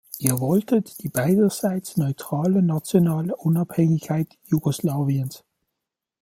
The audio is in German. Ihr wolltet die beiderseits neutrale nationale Unabhängigkeit Jugoslawiens.